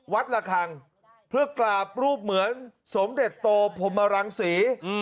ละคังเพื่อกราบรูปเหมือนสมเด็จโตพรมรังศรี